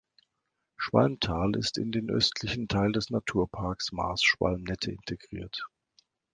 Schwalmtal ist in den östlichen Teil des Naturparks Maas-Schwalm-Nette integriert.